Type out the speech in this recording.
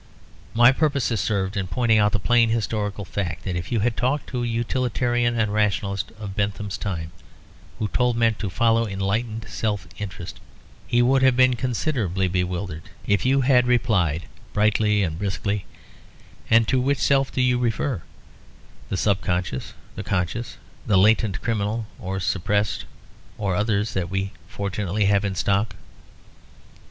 My purpose is served in pointing out the plain historical fact; that if you had talked to a Utilitarian and Rationalist of Bentham's time, who told men to follow "enlightened self interest," he would have been considerably bewildered if you had replied brightly and briskly, "And to which self do you refer; the sub conscious, the conscious, the latently criminal or suppressed, or others that we fortunately have in stock?"